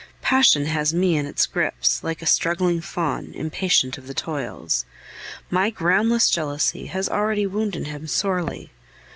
Passion has me in its grips, like a struggling fawn, impatient of the toils. My groundless jealousy has already wounded him sorely.